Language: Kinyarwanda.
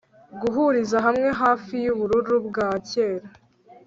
guhuriza hamwe hafi yubururu bwa kera